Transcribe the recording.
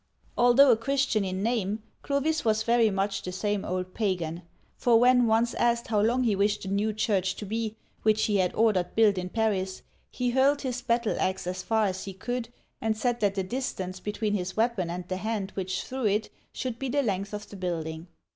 Although a Christian in name, Clovis was very much the same old pagan, for when once asked how long he wished the new church to be, which he had ordered built in Paris, he hurled his battle ax as far as he could, and said that the distance between his weapon and the hand which threw it should be the length of the building.